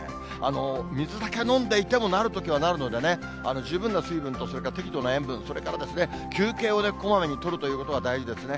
水だけ飲んでいてもなるときはなるのでね、十分な水分と、それから適度な塩分、それから休憩をこまめに取るということが大事ですね。